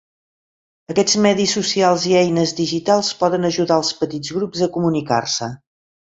Aquests medis socials i eines digitals poden ajudar als petits grups a comunicar-se.